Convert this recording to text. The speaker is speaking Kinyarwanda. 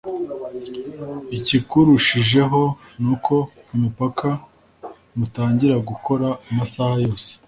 Ikirushijeho ni uko umupaka nutangira gukora amasaha yose